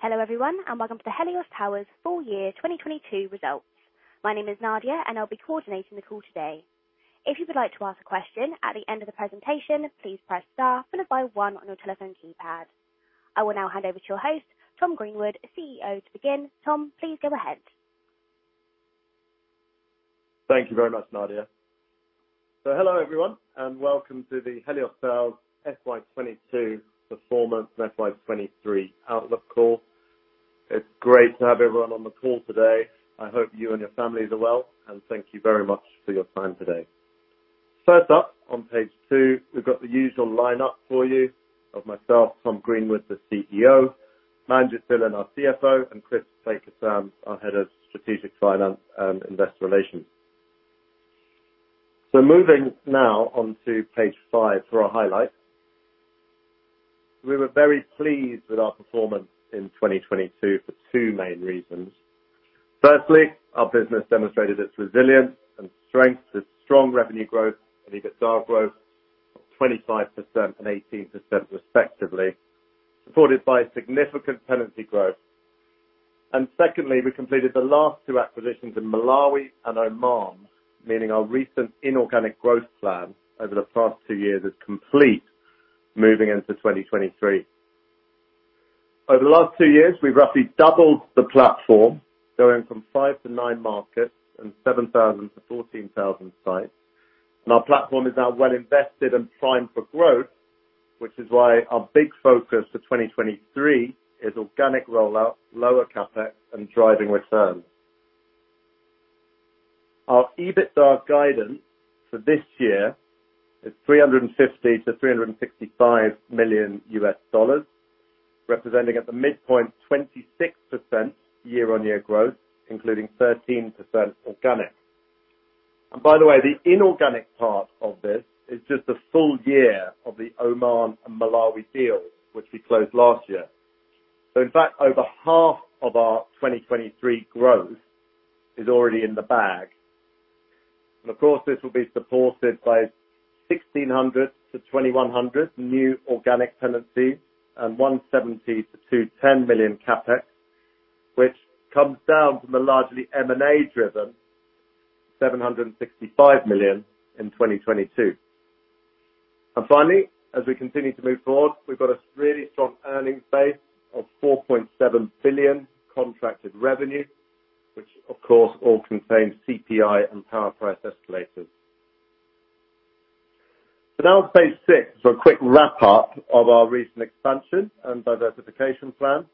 Hello everyone, welcome to the Helios Towers full year 2022 results. My name is Nadia, I'll be coordinating the call today. If you would like to ask a question at the end of the presentation, please press star followed by one on your telephone keypad. I will now hand over to your host, Tom Greenwood, CEO, to begin. Tom, please go ahead. Thank you very much, Nadia. Hello everyone, and welcome to the Helios Towers FY 2022 performance and FY 2023 outlook call. It's great to have everyone on the call today. I hope you and your families are well, thank you very much for your time today. First up, on page two, we've got the usual lineup for you of myself, Tom Greenwood, the CEO, Manjit Dhillon, our CFO, and Chris Baker-Sams, our Head of Strategic Finance and Investor Relations. Moving now on to page five for our highlights. We were very pleased with our performance in 2022 for two main reasons. Firstly, our business demonstrated its resilience and strength with strong revenue growth and EBITDA growth of 25% and 18% respectively, supported by significant tenancy growth. Secondly, we completed the last two acquisitions in Malawi and Oman, meaning our recent inorganic growth plan over the past two years is complete moving into 2023. Over the last two years, we've roughly doubled the platform, going from five to nine markets and 7,000-14,000 sites. Our platform is now well invested and primed for growth, which is why our big focus for 2023 is organic rollout, lower CapEx, and driving returns. Our EBITDA guidance for this year is $350 million-$365 million, representing at the midpoint 26% year-on-year growth, including 13% organic. By the way, the inorganic part of this is just a full year of the Oman and Malawi deals, which we closed last year. In fact, over half of our 2023 growth is already in the bag. Of course, this will be supported by 1,600-2,100 new organic tenancies and $170 million-$210 million CapEx, which comes down from the largely M&A driven $765 million in 2022. Finally, as we continue to move forward, we've got a really strong earnings base of $4.7 billion contracted revenue, which of course all contains CPI and power price escalators. Now to page six for a quick wrap-up of our recent expansion and diversification plan.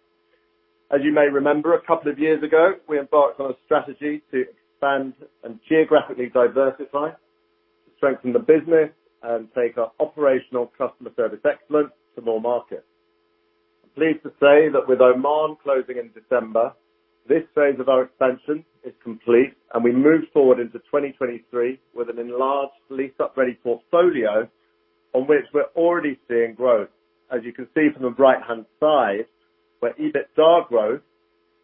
You may remember, a couple of years ago, we embarked on a strategy to expand and geographically diversify, to strengthen the business and take our operational customer service excellence to more markets. I'm pleased to say that with Oman closing in December, this phase of our expansion is complete. We move forward into 2023 with an enlarged leased up ready portfolio on which we're already seeing growth. As you can see from the right-hand side, where EBITDA growth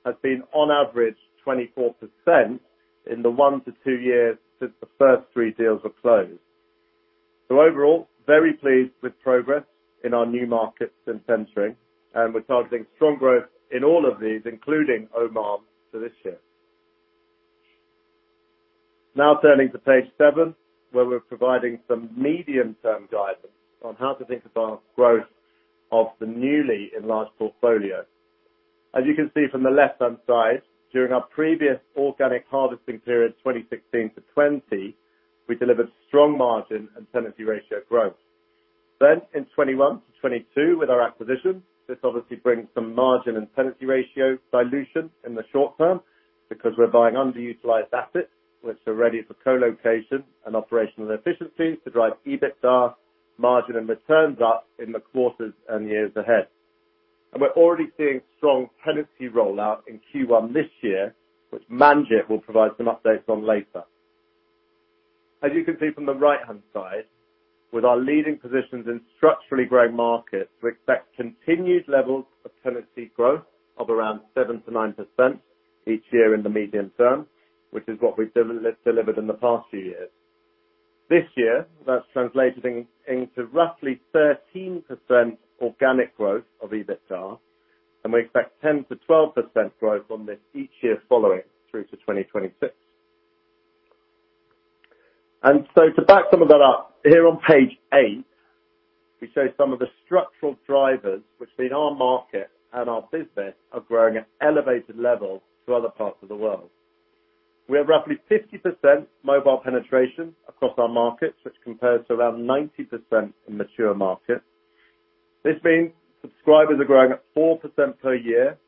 has been on average 24% in the one to two years since the first three deals were closed. Overall, very pleased with progress in our new markets since entering, and we're targeting strong growth in all of these, including Oman, for this year. Turning to page seven, where we're providing some medium-term guidance on how to think about growth of the newly enlarged portfolio. As you can see from the left-hand side, during our previous organic harvesting period, 2016 to 2020, we delivered strong margin and tenancy ratio growth. In 2021 to 2022 with our acquisition, this obviously brings some margin and tenancy ratio dilution in the short term because we're buying underutilized assets which are ready for co-location and operational efficiency to drive EBITDA margin and returns up in the quarters and years ahead. We're already seeing strong tenancy rollout in Q1 this year, which Manjit will provide some updates on later. As you can see from the right-hand side, with our leading positions in structurally growing markets, we expect continued levels of tenancy growth of around 7%-9% each year in the medium term, which is what we've delivered in the past few years. This year, that's translated into roughly 13% organic growth of EBITDA, and we expect 10%-12% growth on this each year following through to 2026. To back some of that up, here on page eight, we show some of the structural drivers which mean our market and our business are growing at elevated levels to other parts of the world. We have roughly 50% mobile penetration across our markets, which compares to around 90% in mature markets. This means subscribers are growing at 4% per year,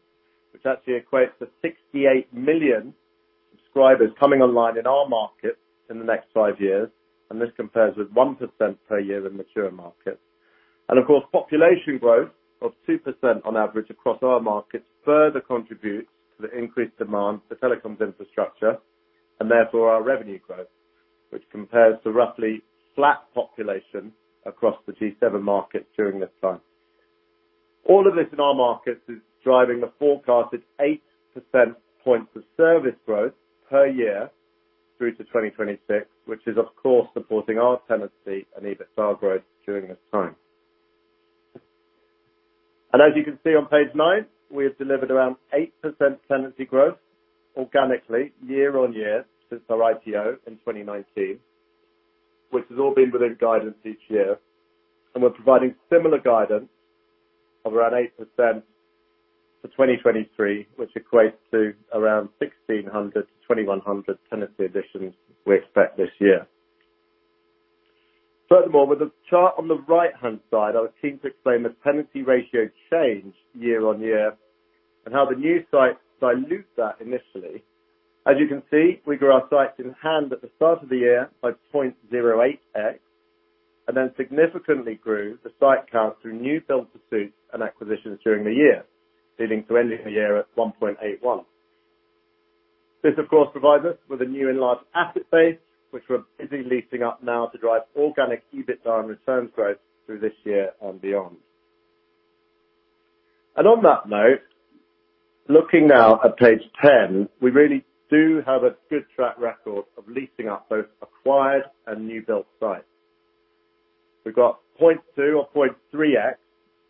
which actually equates to 68 million subscribers coming online in our market in the next five years, and this compares with 1% per year in mature markets. Of course, population growth of 2% on average across our markets further contributes to the increased demand for telecoms infrastructure and therefore our revenue growth, which compares to roughly flat population across the G7 markets during this time. All of this in our markets is driving a forecasted 8 percentage points of service growth per year through to 2026, which is, of course, supporting our tenancy and EBITDA growth during this time. As you can see on page nine, we have delivered around 8% tenancy growth organically year-on-year since our IPO in 2019, which has all been within guidance each year. We're providing similar guidance of around 8% for 2023, which equates to around 1,600-2,100 tenancy additions we expect this year. Furthermore, with the chart on the right-hand side, I would keen to explain the tenancy ratio change year-on-year and how the new sites dilute that initially. We grew our sites in hand at the start of the year by 0.08x, significantly grew the site count through new Build-to-Suit and acquisitions during the year, leading to ending the year at 1.81x. This, of course, provides us with a new enlarged asset base, which we're busy leasing up now to drive organic EBITDA and returns growth through this year and beyond. On that note, looking now at page 10, we really do have a good track record of leasing up both acquired and new built sites. We've got 0.2x or 0.3x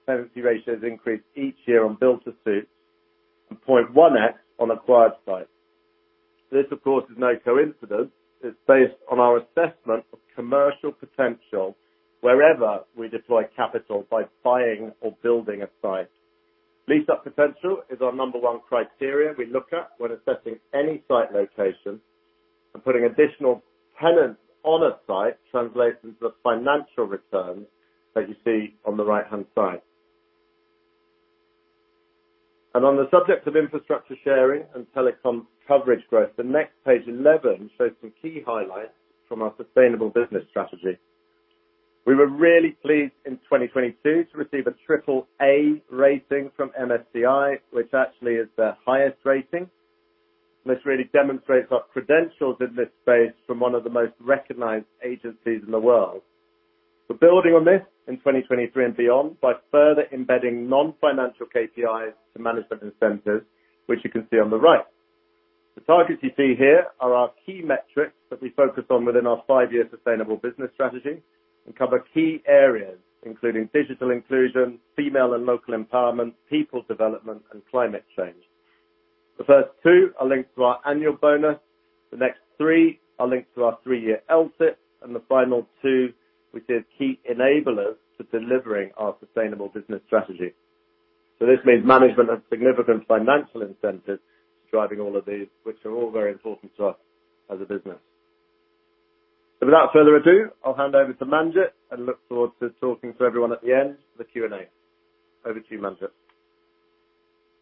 tenancy ratios increase each year on Build-to-Suit and 0.1x on acquired sites. This, of course, is no coincidence. It's based on our assessment of commercial potential wherever we deploy capital by buying or building a site. Lease up potential is our number one criteria we look at when assessing any site location. Putting additional tenants on a site translates into the financial returns that you see on the right-hand side. On the subject of infrastructure sharing and telecom coverage growth, the next page 11 shows some key highlights from our sustainable business strategy. We were really pleased in 2022 to receive a AAA rating from MSCI, which actually is their highest rating. This really demonstrates our credentials in this space from one of the most recognized agencies in the world. We're building on this in 2023 and beyond by further embedding non-financial KPIs to management incentives, which you can see on the right. The targets you see here are our key metrics that we focus on within our five-year sustainable business strategy and cover key areas including digital inclusion, female and local empowerment, people development, and climate change. The first two are linked to our annual bonus, the next three are linked to our three-year LTIP, and the final two we see as key enablers to delivering our sustainable business strategy. This means management has significant financial incentives driving all of these, which are all very important to us as a business. Without further ado, I'll hand over to Manjit and look forward to talking to everyone at the end for the Q&A. Over to you, Manjit.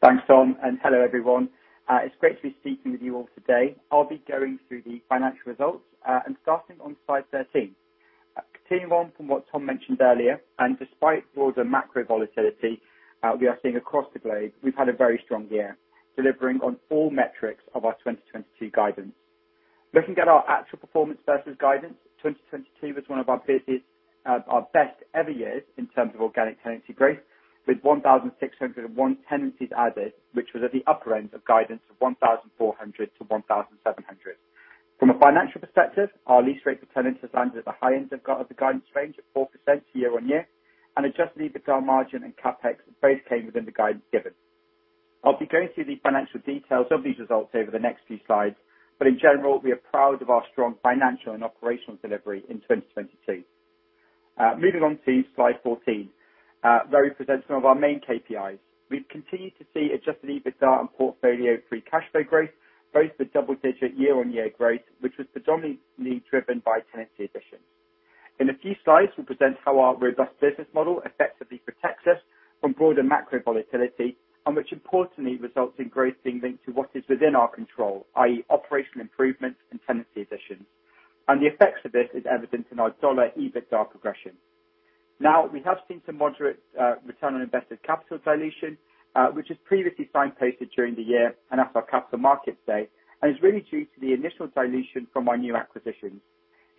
Thanks, Tom, and hello, everyone. It's great to be speaking with you all today. I'll be going through the financial results and starting on slide 13. Continuing on from what Tom mentioned earlier, and despite broader macro volatility we are seeing across the globe, we've had a very strong year, delivering on all metrics of our 2022 guidance. Looking at our actual performance versus guidance, 2022 was one of our busiest, our best ever years in terms of organic tenancy growth, with 1,601 tenancies added, which was at the upper end of guidance of 1,400-1,700. From a financial perspective, our lease rate per tenancy has landed at the high end of the guidance range of 4% year-on-year, and adjusted EBITDA margin and CapEx both came within the guidance given. I'll be going through the financial details of these results over the next few slides, but in general, we are proud of our strong financial and operational delivery in 2022. Moving on to slide 14, where we present some of our main KPIs. We've continued to see adjusted EBITDA and portfolio free cash flow growth, both with double-digit year-on-year growth, which was predominantly driven by tenancy additions. In a few slides, we'll present how our robust business model effectively protects us from broader macro volatility and which importantly results in growth being linked to what is within our control, i.e., operational improvements and tenancy additions. The effects of this is evident in our dollar EBITDA progression. Now, we have seen some moderate return on invested capital dilution, which was previously signposted during the year and at our Capital Markets Day, is really due to the initial dilution from our new acquisitions.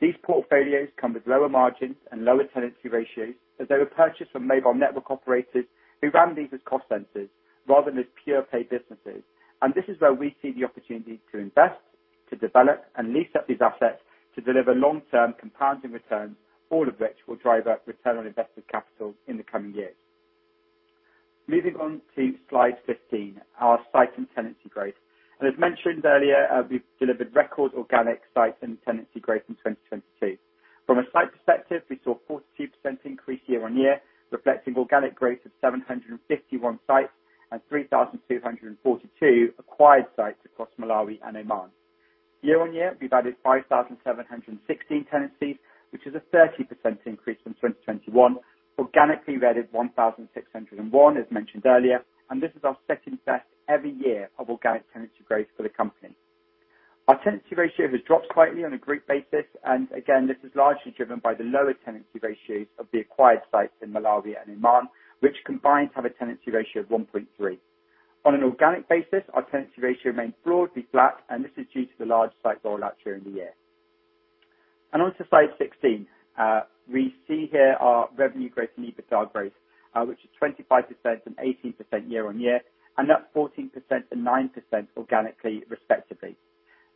These portfolios come with lower margins and lower tenancy ratios as they were purchased from mobile network operators who ran these as cost centers rather than as pure play businesses. This is where we see the opportunity to invest, to develop, and lease up these assets to deliver long-term compounding returns, all of which will drive up return on invested capital in the coming years. Moving on to slide 15, our site and tenancy growth. As mentioned earlier, we've delivered record organic sites and tenancy growth in 2022. From a site perspective, we saw a 42% increase year-on-year, reflecting organic growth of 751 sites and 3,242 acquired sites across Malawi and Oman. Year-on-year, we've added 5,716 tenancies, which is a 30% increase from 2021. Organically we added 1,601, as mentioned earlier, and this is our second-best ever year of organic tenancy growth for the company. Our tenancy ratio has dropped slightly on a group basis, and again, this is largely driven by the lower tenancy ratios of the acquired sites in Malawi and Oman, which combined have a tenancy ratio of 1.3. On an organic basis, our tenancy ratio remained broadly flat, and this is due to the large site rollout during the year. On to slide 16. We see here our revenue growth and EBITDA growth, which is 25% and 18% year-on-year, and up 14% and 9% organically respectively.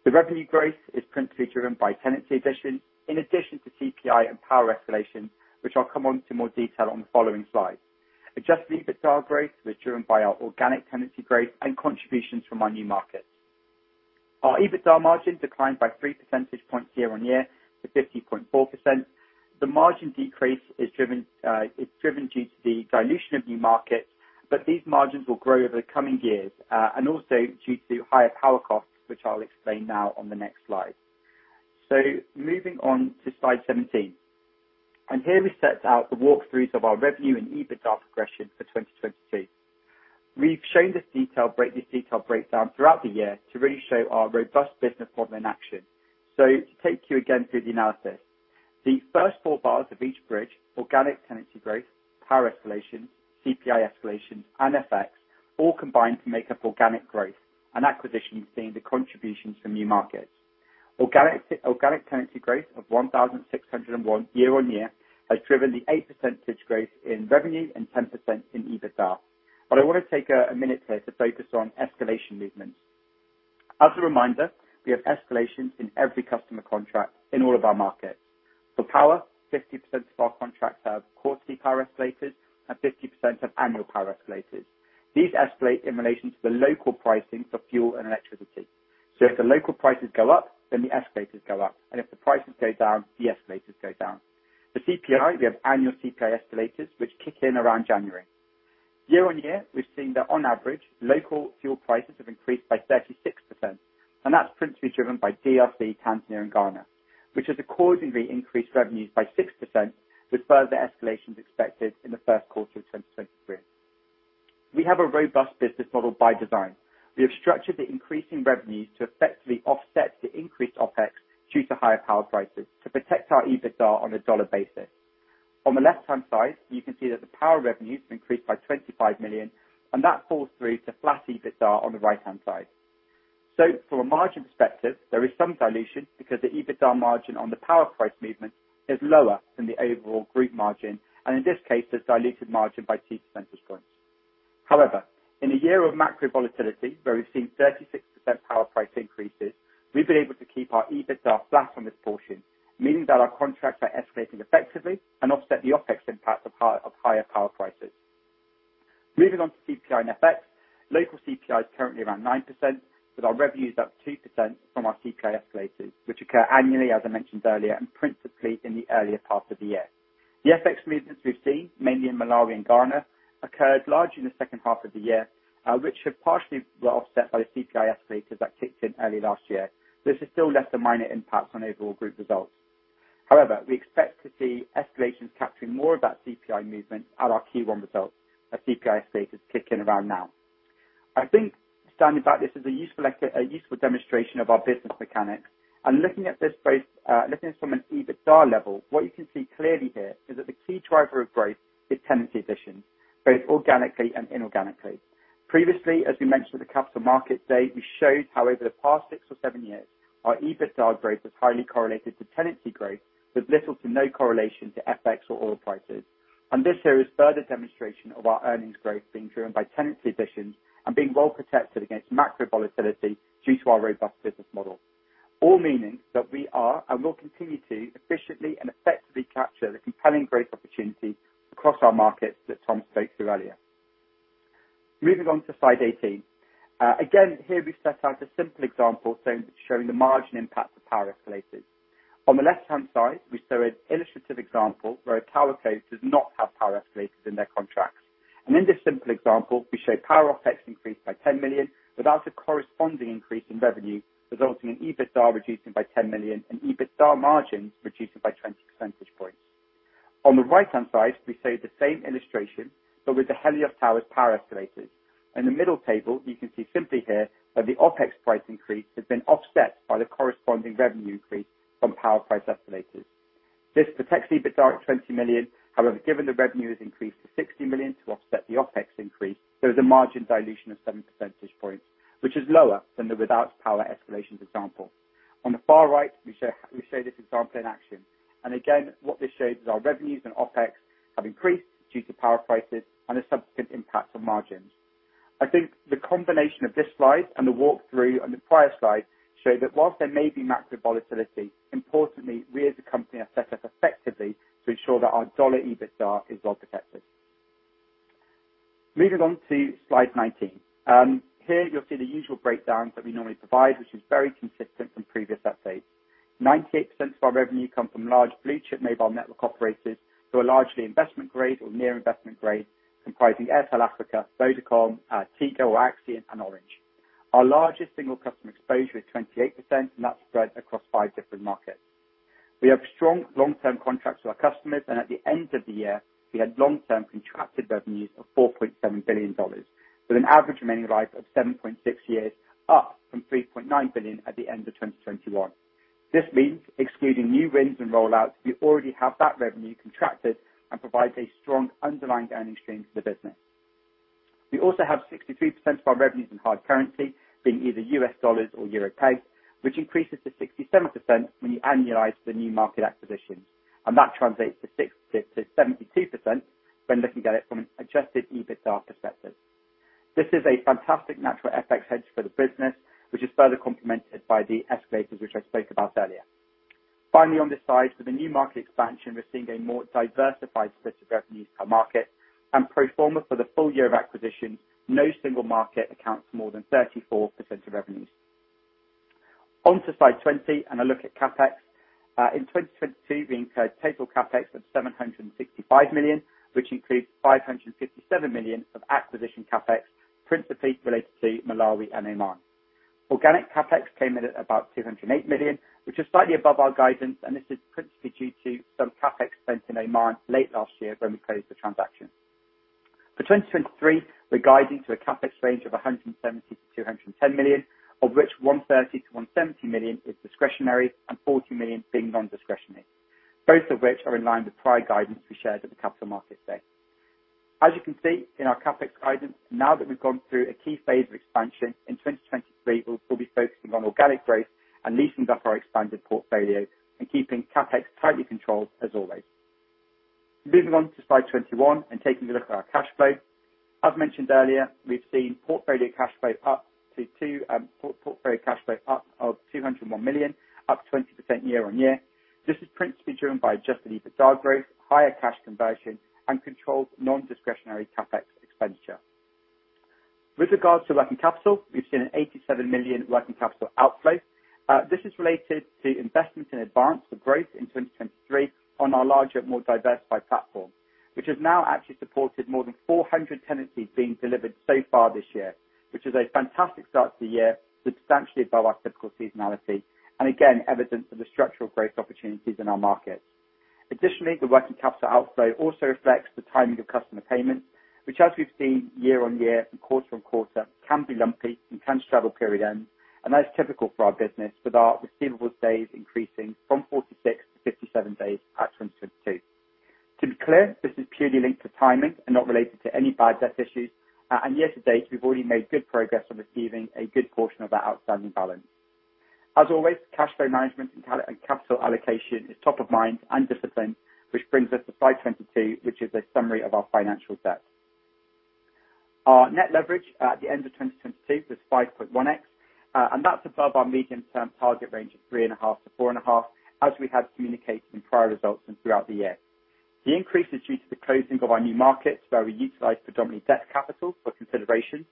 The revenue growth is principally driven by tenancy additions, in addition to CPI and power escalation, which I'll come on to more detail on the following slides. Adjusted EBITDA growth was driven by our organic tenancy growth and contributions from our new markets. Our EBITDA margin declined by 3 percentage points year-on-year to 50.4%. The margin decrease is driven due to the dilution of new markets, but these margins will grow over the coming years and also due to higher power costs, which I'll explain now on the next slide. Moving on to slide 17. Here we set out the walkthrough of our revenue and EBITDA progression for 2022. We've shown this detail breakdown throughout the year to really show our robust business model in action. To take you again through the analysis. The first four bars of each bridge, organic tenancy growth, power escalation, CPI escalation, and FX, all combine to make up organic growth, and acquisitions being the contributions from new markets. Organic tenancy growth of 1,601 year-on-year has driven the 8% growth in revenue and 10% in EBITDA. I wanna take a minute here to focus on escalation movements. As a reminder, we have escalations in every customer contract in all of our markets. For power, 50% of our contracts are quarterly power escalators and 50% have annual power escalators. These escalate in relation to the local pricing for fuel and electricity. If the local prices go up, the escalators go up, if the prices go down, the escalators go down. For CPI, we have annual CPI escalators which kick in around January. Year on year, we've seen that on average, local fuel prices have increased by 36%, that's principally driven by DRC, Tanzania, and Ghana, which has accordingly increased revenues by 6% with further escalations expected in the first quarter of 2023. We have a robust business model by design. We have structured the increasing revenues to effectively offset the increased OpEx due to higher power prices to protect our EBITDA on a dollar basis. On the left-hand side, you can see that the power revenues increased by $25 million, that falls through to flat EBITDA on the right-hand side. From a margin perspective, there is some dilution because the EBITDA margin on the power price movement is lower than the overall group margin, and in this case, has diluted margin by 2 percentage points. However, in a year of macro volatility where we've seen 36% power price increases, we've been able to keep our EBITDA flat on this portion, meaning that our contracts are escalating effectively and offset the OpEx impact of higher power prices. Moving on to CPI and FX. Local CPI is currently around 9%, with our revenues up 2% from our CPI escalators, which occur annually, as I mentioned earlier, and principally in the earlier half of the year. The FX movements we've seen, mainly in Malawi and Ghana, occurred largely in the second half of the year, which have partially were offset by the CPI escalators that kicked in early last year. This has still left a minor impact on overall group results. However, we expect to see escalations capturing more of that CPI movement at our Q1 results as CPI escalators kick in around now. I think, standing back, this is a useful demonstration of our business mechanics. Looking at this both, looking from an EBITDA level, what you can see clearly here is that the key driver of growth is tenancy additions, both organically and inorganically. Previously, as we mentioned at the Capital Markets Day, we showed how over the past six or seven years, our EBITDA growth is highly correlated to tenancy growth with little to no correlation to FX or oil prices. This shows further demonstration of our earnings growth being driven by tenancy additions and being well protected against macro volatility due to our robust business model. All meaning that we are, and will continue to, efficiently and effectively capture the compelling growth opportunity across our markets that Tom spoke to earlier. Moving on to slide 18. Again, here we set out a simple example showing the margin impact of power escalators. On the left-hand side, we show an illustrative example where a TowerCo does not have power escalators in their contracts. In this simple example, we show power OpEx increased by $10 million without a corresponding increase in revenue, resulting in EBITDA reducing by $10 million and EBITDA margins reducing by 20 percentage points. On the right-hand side, we show the same illustration, but with the Helios Towers power escalators. In the middle table, you can see simply here that the OpEx price increase has been offset by the corresponding revenue increase from power price escalators. This protects EBITDA at $20 million. However, given the revenue has increased to $60 million to offset the OpEx increase, there is a margin dilution of 7 percentage points, which is lower than the without power escalation example. On the far right, we show this example in action. Again, what this shows is our revenues and OpEx have increased due to power prices and a subsequent impact on margins. I think the combination of this slide and the walk-through on the prior slide show that whilst there may be macro volatility, importantly, we as a company are set up effectively to ensure that our dollar EBITDA is well protected. Moving on to slide 19. Here you'll see the usual breakdowns that we normally provide, which is very consistent from previous updates. 98% of our revenue come from large blue-chip mobile network operators, who are largely investment grade or near investment grade, comprising Airtel Africa, Vodacom, Tigo, Axian and Orange. Our largest single customer exposure is 28%, and that's spread across five different markets. We have strong long-term contracts with our customers. At the end of the year, we had long-term contracted revenues of $4.7 billion with an average remaining life of 7.6 years, up from $3.9 billion at the end of 2021. This means excluding new wins and roll-outs, we already have that revenue contracted and provides a strong underlying earnings stream to the business. We also have 63% of our revenues in hard currency, being either U.S. dollars or euro peg, which increases to 67% when you annualize the new market acquisitions. That translates to 63%-72% when looking at it from an adjusted EBITDA perspective. This is a fantastic natural FX hedge for the business, which is further complemented by the escalators, which I spoke about earlier. Finally, on this side, with the new market expansion, we're seeing a more diversified split of revenues per market. Pro forma for the full year of acquisition, no single market accounts for more than 34% of revenues. On to slide 20 and a look at CapEx. In 2022, we incurred total CapEx of $765 million, which includes $557 million of acquisition CapEx, principally related to Malawi and Oman. Organic CapEx came in at about $208 million, which is slightly above our guidance, and this is principally due to some CapEx spent in Oman late last year when we closed the transaction. For 2023, we're guiding to a CapEx range of $170 million-$210 million, of which $130 million-$170 million is discretionary and $40 million being non-discretionary, both of which are in line with prior guidance we shared at the Capital Markets Day. As you can see in our CapEx guidance, now that we've gone through a key phase of expansion in 2023, we'll be focusing on organic growth and leasing up our expanded portfolio and keeping CapEx tightly controlled as always. Moving on to slide 21 and taking a look at our cash flow. As mentioned earlier, we've seen portfolio cash flow up of $201 million, up 20% year-on-year. This is principally driven by adjusted EBITDA growth, higher cash conversion, and controlled non-discretionary CapEx expenditure. With regards to working capital, we've seen an $87 million working capital outflow. This is related to investments in advance of growth in 2023 on our larger, more diversified platform, which has now actually supported more than 400 tenancies being delivered so far this year, which is a fantastic start to the year, substantially above our typical seasonality, and again, evidence of the structural growth opportunities in our markets. Additionally, the working capital outflow also reflects the timing of customer payments, which as we've seen year-over-year and quarter-over-quarter, can be lumpy and can travel period end. That's typical for our business, with our receivable days increasing from 46-57 days at 2022. To be clear, this is purely linked to timing and not related to any bad debt issues. Year to date, we've already made good progress on receiving a good portion of that outstanding balance. As always, cash flow management and capital allocation is top of mind and discipline, which brings us to slide 22, which is a summary of our financial debt. Our net leverage at the end of 2022 was 5.1x, that's above our medium-term target range of 3.5x-4.5x, as we have communicated in prior results and throughout the year. The increase is due to the closing of our new markets, where we utilized predominantly debt capital for consideration.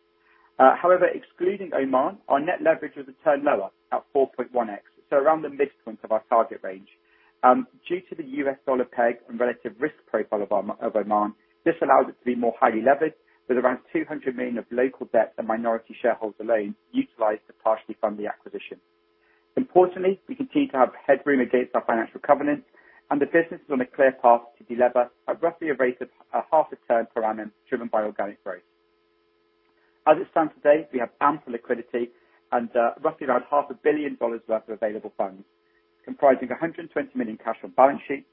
Excluding Oman, our net leverage would return lower at 4.1x, so around the midpoint of our target range. Due to the U.S. dollar peg and relative risk profile of Oman, this allows it to be more highly levered with around $200 million of local debt and minority shareholder loans utilized to partially fund the acquisition. Importantly, we continue to have headroom against our financial covenants. The business is on a clear path to delever at roughly a rate of half a turn per annum, driven by organic growth. As it stands today, we have ample liquidity, roughly around half a billion dollars worth of available funds, comprising $120 million cash on balance sheet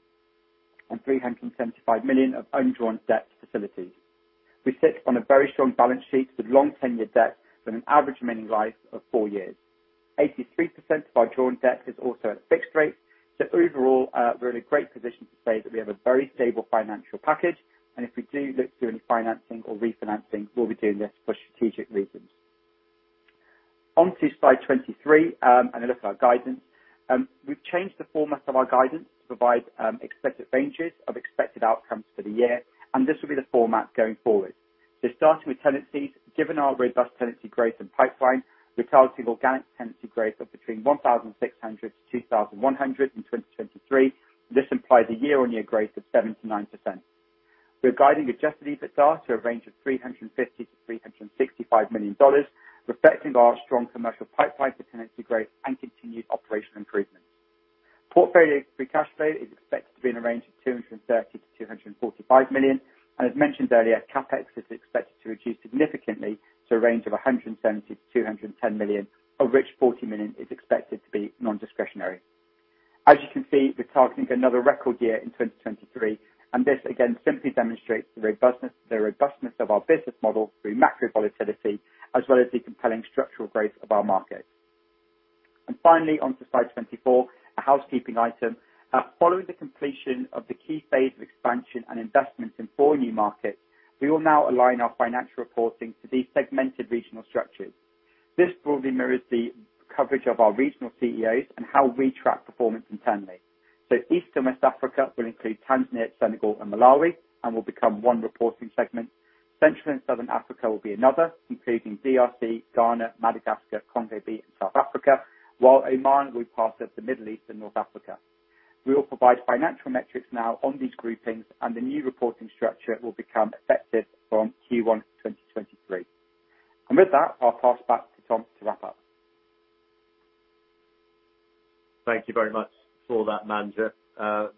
and $375 million of undrawn debt facilities. We sit on a very strong balance sheet with long tenure debt with an average remaining life of four years. 83% of our drawn debt is also at a fixed rate. Overall, we're in a great position to say that we have a very stable financial package, and if we do look to any financing or refinancing, we'll be doing this for strategic reasons. On to slide 23, and a look at our guidance. We've changed the format of our guidance to provide expected ranges of expected outcomes for the year, and this will be the format going forward. Starting with tenancies, given our robust tenancy growth and pipeline, we're targeting organic tenancy growth of between 1,600-2,100 in 2023. This implies a year-on-year growth of 7%-9%. We're guiding adjusted EBITDA to a range of $350 million-$365 million, reflecting our strong commercial pipeline for tenancy growth and continued operational improvements. Portfolio free cash flow is expected to be in a range of $230 million-$245 million, as mentioned earlier, CapEx is expected to reduce significantly to a range of $170 million-$210 million, of which $40 million is expected to be non-discretionary. As you can see, we're targeting another record year in 2023, this again simply demonstrates the robustness of our business model through macro volatility, as well as the compelling structural growth of our markets. Finally, on to slide 24, a housekeeping item. Following the completion of the key phase of expansion and investments in four new markets, we will now align our financial reporting to these segmented regional structures. This broadly mirrors the coverage of our regional CEOs and how we track performance internally. East and West Africa will include Tanzania, Senegal, and Malawi and will become one reporting segment. Central and Southern Africa will be another, including DRC, Ghana, Madagascar, Congo-B, and South Africa, while Oman will be part of the Middle East and North Africa. We will provide financial metrics now on these groupings, and the new reporting structure will become effective from Q1 2023. With that, I'll pass back to Tom to wrap up. Thank you very much for that, Manjit.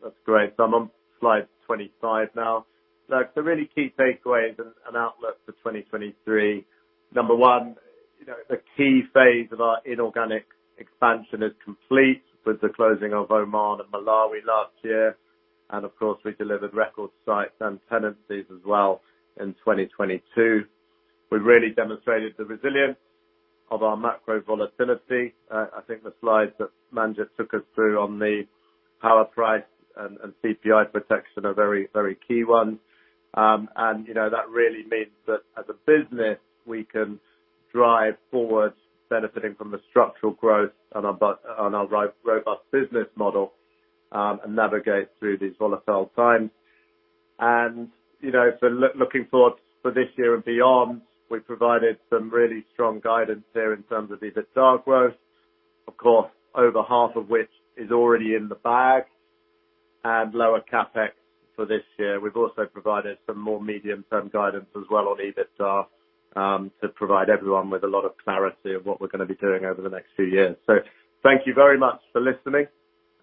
That's great. I'm on slide 25 now. The really key takeaway is an outlook for 2023. Number one, you know, the key phase of our inorganic expansion is complete with the closing of Oman and Malawi last year. Of course we delivered record sites and tenancies as well in 2022. We've really demonstrated the resilience of our macro volatility. I think the slides that Manjit took us through on the power price and CPI protection are very, very key ones. You know, that really means that as a business we can drive forward benefiting from the structural growth on our robust business model, and navigate through these volatile times. You know, looking forward for this year and beyond, we provided some really strong guidance here in terms of the EBITDA growth. Of course, over half of which is already in the bag and lower CapEx for this year. We've also provided some more medium-term guidance as well on EBITDA to provide everyone with a lot of clarity of what we're gonna be doing over the next few years. Thank you very much for listening,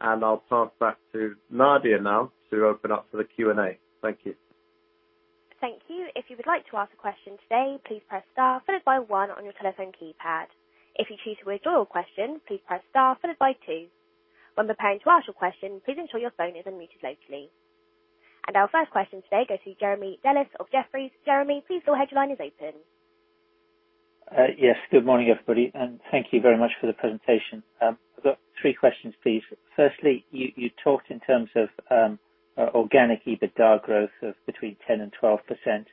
and I'll pass back to Nadia now to open up for the Q&A. Thank you. Thank you. If you would like to ask a question today, please press star followed by one on your telephone keypad. If you choose to withdraw your question, please press star followed by two. When preparing to ask your question, please ensure your phone is unmuted locally. Our first question today goes to Jeremy Dellis of Jefferies. Jeremy, please go ahead, your line is open. Yes, good morning, everybody, thank you very much for the presentation. I've got three questions, please. Firstly, you talked in terms of organic EBITDA growth of between 10%-12%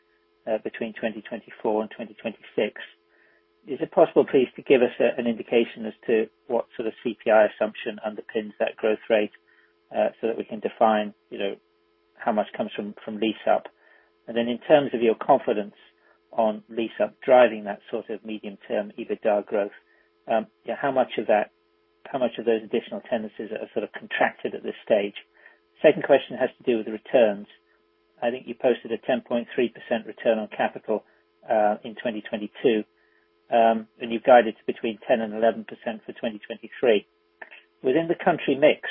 between 2024 and 2026. Is it possible, please, to give us an indication as to what sort of CPI assumption underpins that growth rate so that we can define, you know, how much comes from lease up? In terms of your confidence on lease up driving that sort of medium-term EBITDA growth, you know, how much of those additional tenancies are sort of contracted at this stage? Second question has to do with the returns. I think you posted a 10.3% return on capital in 2022. You've guided between 10% and 11% for 2023. Within the country mix,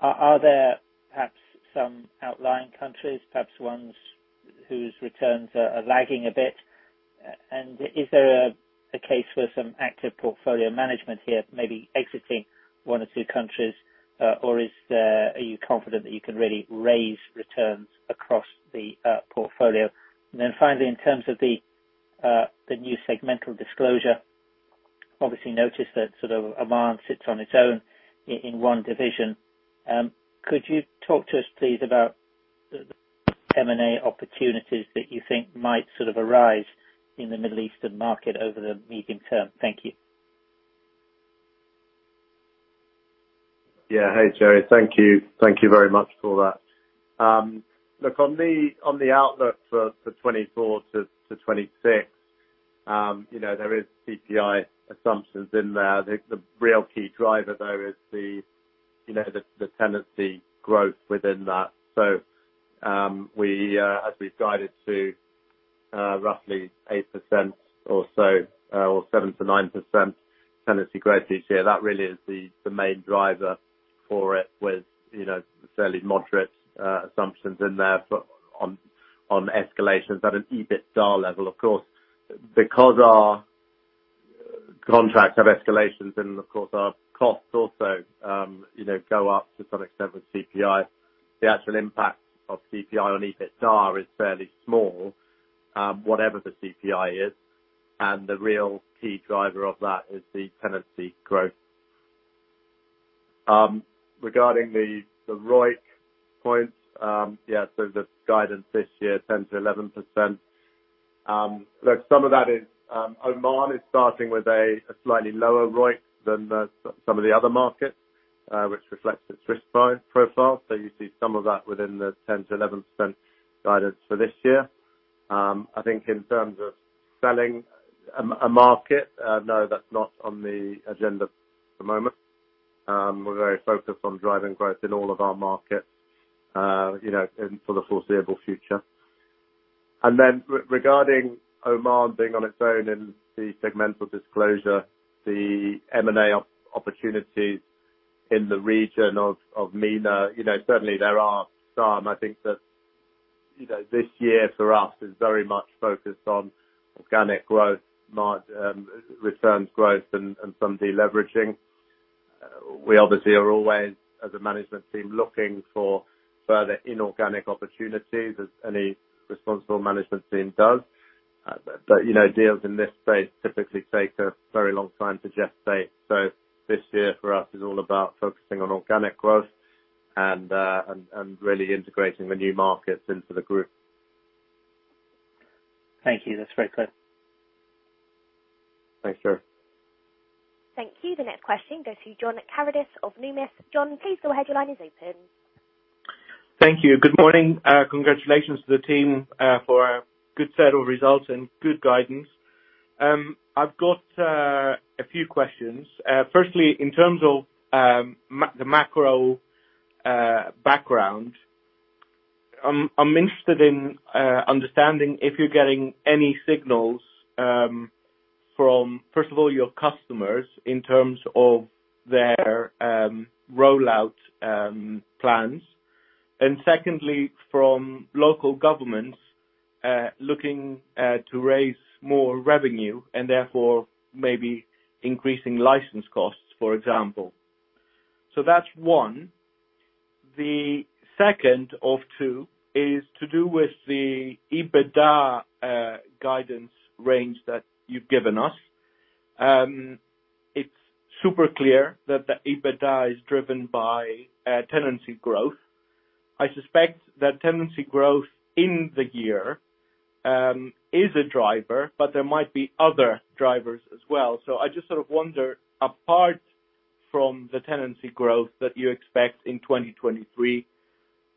are there perhaps some outlying countries, perhaps ones whose returns are lagging a bit? Is there a case for some active portfolio management here, maybe exiting one or two countries, or are you confident that you can really raise returns across the portfolio? Finally, in terms of the new segmental disclosure, obviously noticed that sort of Oman sits on its own in one division. Could you talk to us please about the M&A opportunities that you think might sort of arise in the Middle Eastern market over the medium term? Thank you. Yeah. Hey, Jerry. Thank you. Thank you very much for that. Look on the outlook for 2024 to 2026, you know, there is CPI assumptions in there. The real key driver though is, you know, tenancy growth within that. As we've guided to roughly 8% or so, or 7%-9% tenancy growth each year, that really is the main driver for it with, you know, fairly moderate assumptions in there on escalations at an EBITDA level, of course. Because our contracts have escalations and of course our costs also, you know, go up to some extent with CPI, the actual impact of CPI on EBITDA is fairly small, whatever the CPI is, and the real key driver of that is the tenancy growth. Regarding the ROIC points, the guidance this year 10%-11%. Some of that is, Oman is starting with a slightly lower ROIC than some of the other markets, which reflects its risk profile. You see some of that within the 10%-11% guidance for this year. I think in terms of selling a market, that's not on the agenda at the moment. We're very focused on driving growth in all of our markets, you know, for the foreseeable future. Regarding Oman being on its own in the segmental disclosure, the M&A opportunities in the region of MENA, you know, certainly there are some. I think that, you know, this year for us is very much focused on organic growth, returns growth and some deleveraging. We obviously are always, as a management team, looking for further inorganic opportunities as any responsible management team does. You know, deals in this space typically take a very long time to gestate. This year for us is all about focusing on organic growth and really integrating the new markets into the group. Thank you. That's very clear. Thanks, Jerry. Thank you. The next question goes to John Karidis of Numis. John, please go ahead. Your line is open. Thank you. Good morning. Congratulations to the team for a good set of results and good guidance. I've got a few questions. Firstly, in terms of the macro background, I'm interested in understanding if you're getting any signals from first of all, your customers in terms of their rollout plans. Secondly, from local governments, looking to raise more revenue and therefore maybe increasing license costs, for example. That's one. The second of two is to do with the EBITDA guidance range that you've given us. It's super clear that the EBITDA is driven by tenancy growth. I suspect that tenancy growth in the year is a driver, but there might be other drivers as well. I just sort of wonder, apart from the tenancy growth that you expect in 2023,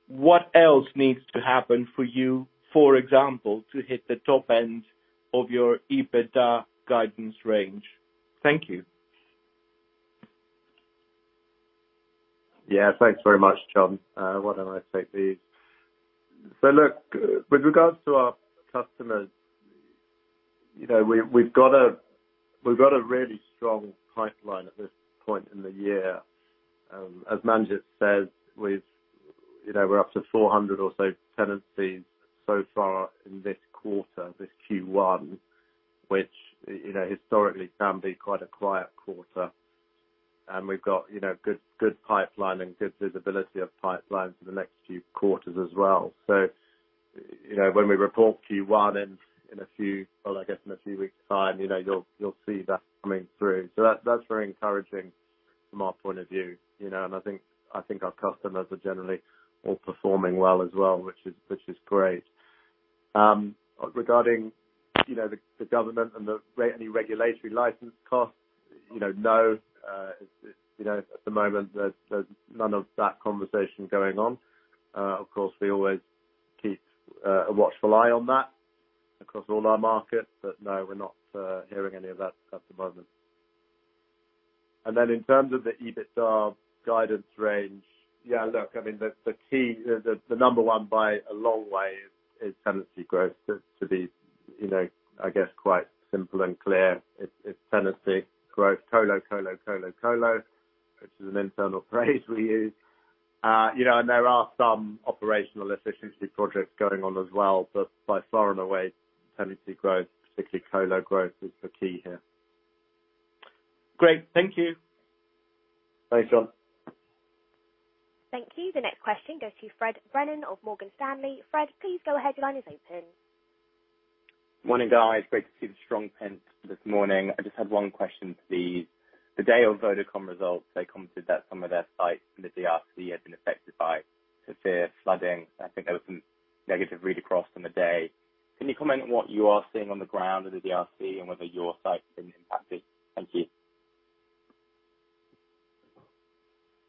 what else needs to happen for you, for example, to hit the top end of your EBITDA guidance range? Thank you. Yeah. Thanks very much, John. Why don't I take these? Look, with regards to our customers, you know, we've got a really strong pipeline at this point in the year. As Manjit says, we've, you know, we're up to 400 or so tenancies so far in this quarter, this Q1, which, you know, historically can be quite a quiet quarter. We've got, you know, good pipeline and good visibility of pipeline for the next few quarters as well. You know, when we report Q1 in a few, well, I guess in a few weeks' time, you know, you'll see that coming through. That's very encouraging from our point of view, you know? I think our customers are generally all performing well as well, which is great. Regarding, you know, the government and any regulatory license costs, you know, no, it's, you know, at the moment there's none of that conversation going on. Of course, we always keep a watchful eye on that across all our markets, but no, we're not hearing any of that at the moment. In terms of the EBITDA guidance range, yeah, look, I mean, the key, the number one by a long way is tenancy growth to be, you know, I guess quite simple and clear. It's, it's tenancy growth, colo, which is an internal phrase we use. You know, and there are some operational efficiency projects going on as well, but by far and away, tenancy growth, particularly colo growth, is the key here. Great. Thank you. Thanks, John. Thank you. The next question goes to Fred Brennan of Morgan Stanley. Fred, please go ahead. Your line is open. Morning, guys. Great to see the strong pent this morning. I just had one question, please. The day of Vodacom results, they commented that some of their sites in the DRC had been affected by severe flooding. I think there was some negative read across from the day. Can you comment on what you are seeing on the ground in the DRC and whether your sites have been impacted? Thank you.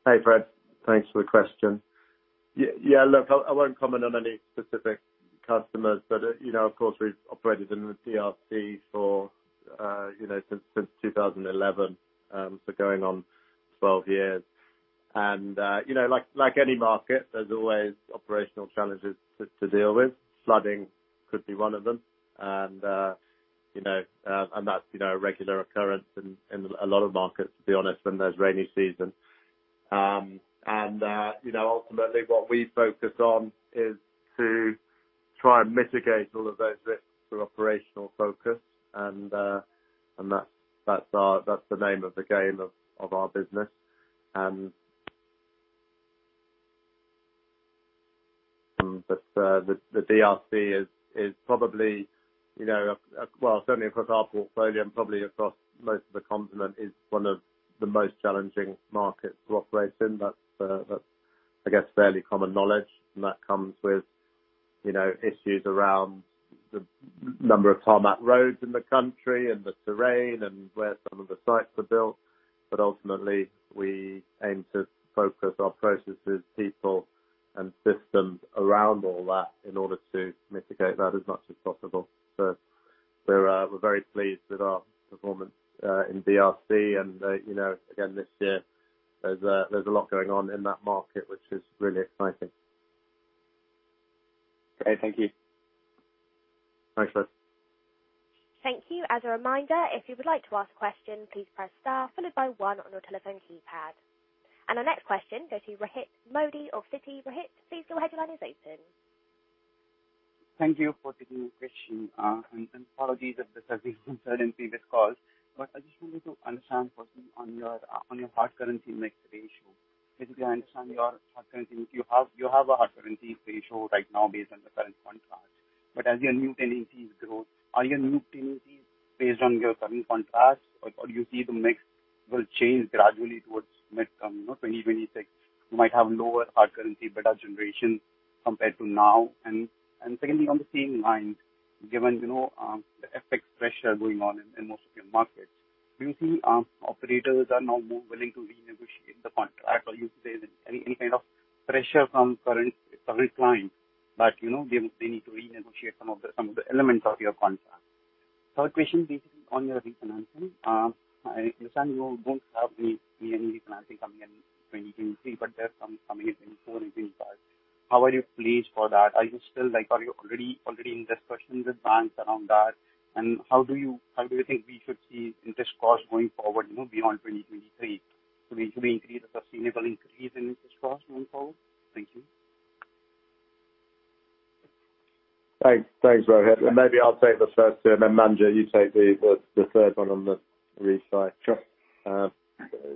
Hey, Fred. Thanks for the question. Yeah, look, I won't comment on any specific customers, but, you know, of course we've operated in the DRC for, you know, since 2011, so going on 12 years. You know, like any market, there's always operational challenges to deal with. Flooding could be one of them. You know, and that's, you know, a regular occurrence in a lot of markets, to be honest, when there's rainy season. You know, ultimately what we focus on is to try and mitigate all of those risks through operational focus. And that's our, that's the name of the game of our business. The DRC is probably, you know, well, certainly across our portfolio and probably across most of the continent, is one of the most challenging markets to operate in. That's, I guess, fairly common knowledge, and that comes with, you know, issues around the number of tarmac roads in the country and the terrain and where some of the sites are built. Ultimately, we aim to focus our processes, people and systems around all that in order to mitigate that as much as possible. We're very pleased with our performance in DRC and, you know, again, this year there's a lot going on in that market which is really exciting. Great. Thank you. Thanks, Fred. Thank you. As a reminder, if you would like to ask a question, please press star followed by one on your telephone keypad. Our next question goes to Rohit Modi of Citi. Rohit, please go ahead. Your line is open. Thank you for taking the question. Apologies if this has been said in previous calls, but I just wanted to understand quickly on your hard currency mix ratio. If you have a hard currency ratio right now based on the current contracts. As your new tenancies grow, are your new tenancies based on your current contracts or do you see the mix will change gradually towards mid-term? You know, 2026 you might have lower hard currency beta generation compared to now. Secondly, on the same line, given, you know, the FX pressure going on in most of your markets, do you see operators are now more willing to renegotiate the contract? Do you see any kind of pressure from current clients that, you know, they need to renegotiate some of the elements of your contract? Third question, basically on your refinancing. I understand you don't have any refinancing coming in 2023, but there's some coming in 2024 and 2025. How are you placed for that? Are you already in discussions with banks around that? How do you think we should see interest costs going forward, you know, beyond 2023? Will we see increase or sustainable increase in interest costs going forward? Thank you. Thanks. Thanks, Rohit. Maybe I'll take the first two. Manjit, you take the third one on the refi. Sure.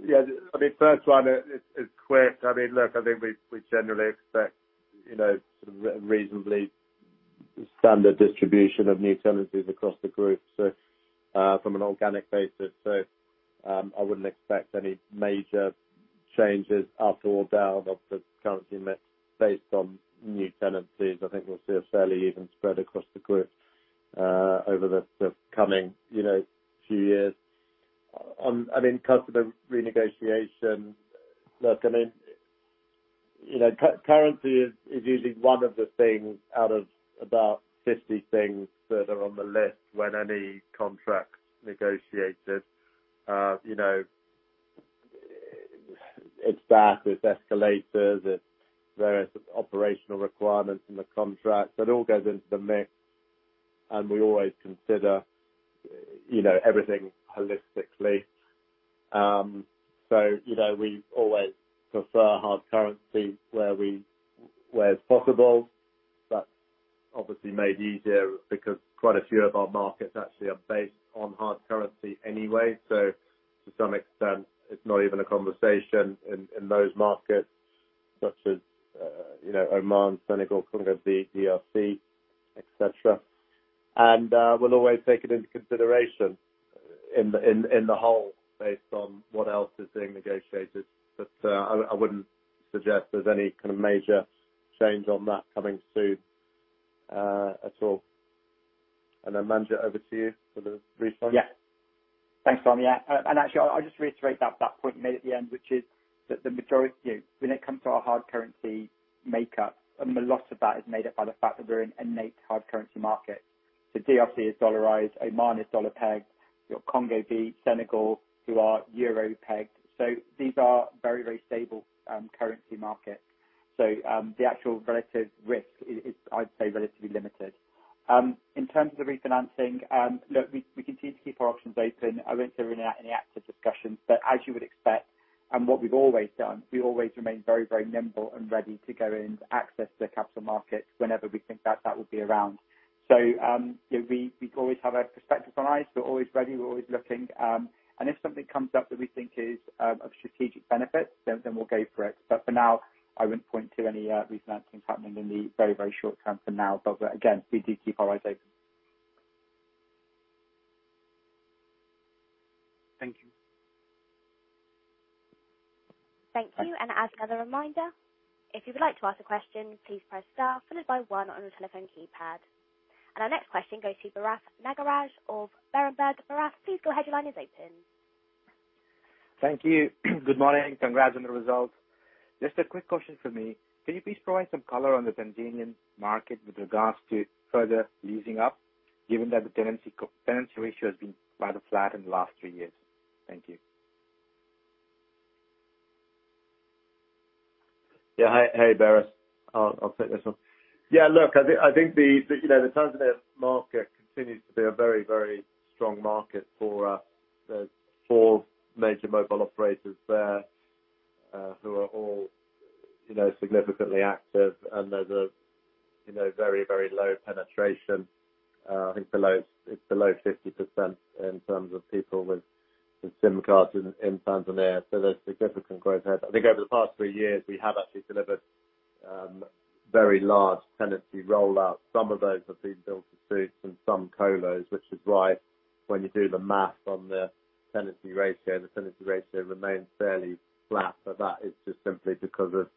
Yeah, I mean, first one is quick. I mean, look, I think we generally expect, you know, sort of reasonably standard distribution of new tenancies across the group. From an organic basis. I wouldn't expect any major changes up or down of the currency mix based on new tenancies. I think we'll see a fairly even spread across the group over the coming, you know, few years. In customer renegotiation, look, I mean, you know, currency is usually one of the things out of about 50 things that are on the list when any contract's negotiated. You know, it's that, it's escalators, it's various operational requirements in the contract. It all goes into the mix, and we always consider, you know, everything holistically. You know, we always prefer hard currency where we... Where possible. That's obviously made easier because quite a few of our markets actually are based on hard currency anyway. to some extent it's not even a conversation in, in those markets such as, you know, Oman, Senegal, Congo, DRC, et cetera. we'll always take it into consideration in, in the whole based on what else is being negotiated. I wouldn't suggest there's any kind of major change on that coming soon at all. Manjit, over to you for the refi. Yeah. Thanks, Tom. Yeah, actually, I just reiterate that point you made at the end, which is that You know, when it comes to our hard currency makeup, I mean, a lot of that is made up by the fact that we're an innate hard currency market. DRC is dollarized. Oman is dollar pegged. Your Congo-Brazzaville, Senegal, who are euro pegged. These are very, very stable currency markets. The actual relative risk is I'd say relatively limited. In terms of the refinancing, look, we continue to keep our options open. I wouldn't say we're in any active discussions. As you would expect, and what we've always done, we always remain very, very nimble and ready to go in to access the capital markets whenever we think that that will be around. you know, we always have our perspective on eyes. We're always ready, we're always looking, and if something comes up that we think is of strategic benefit, then we'll go for it. For now, I wouldn't point to any refinancing happening in the very, very short term for now. Again, we do keep our eyes open. Thank you. Thank you. Thanks. As another reminder, if you would like to ask a question, please press star followed by one on your telephone keypad. Our next question goes to Bharath Nagaraj of Berenberg. Bharath, please go ahead. Your line is open. Thank you. Good morning. Congrats on the results. Just a quick question from me. Can you please provide some color on the Tanzanian market with regards to further leasing up, given that the tenancy ratio has been rather flat in the last three years? Thank you. Yeah. Hi. Hey, Bharath. I'll take this one. Yeah, look, I think the, you know, the Tanzania market continues to be a very, very strong market for us. There's four major mobile operators there, who are all, you know, significantly active. There's a, you know, very, very low penetration. I think it's below 50% in terms of people with SIM cards in Tanzania. There's significant growth ahead. I think over the past three years we have actually delivered very large tenancy rollout. Some of those have been Build-to-Suit and some colos, which is why when you do the math on the tenancy ratio, the tenancy ratio remains fairly flat. That is just simply because of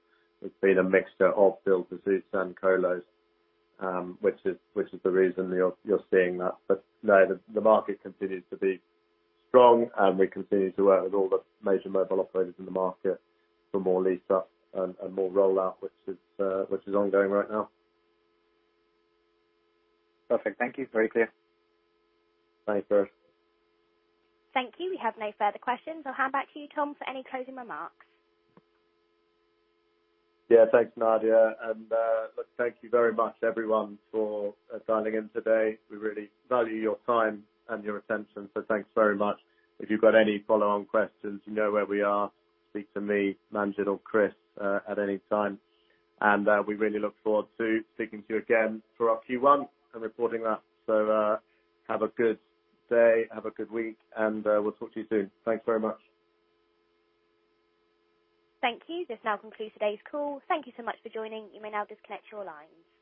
it's been a mixture of Build-to-Suit and colos, which is the reason you're seeing that. No, the market continues to be strong and we continue to work with all the major mobile operators in the market for more lease up and more rollout, which is ongoing right now. Perfect. Thank you. Very clear. Thanks, Bharath. Thank you. We have no further questions. I'll hand back to you, Tom, for any closing remarks. Yeah. Thanks, Nadia. Look, thank you very much everyone for dialing in today. We really value your time and your attention, so thanks very much. If you've got any follow-on questions, you know where we are. Speak to me, Manjit, or Chris, at any time. We really look forward to speaking to you again for our Q1 and reporting that. Have a good day, have a good week, and we'll talk to you soon. Thanks very much. Thank you. This now concludes today's call. Thank you so much for joining. You may now disconnect your lines.